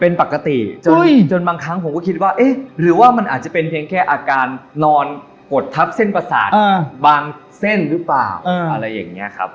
เป็นปกติจนบางครั้งผมก็คิดว่าเอ๊ะหรือว่ามันอาจจะเป็นเพียงแค่อาการนอนกดทับเส้นประสาทบางเส้นหรือเปล่าอะไรอย่างนี้ครับ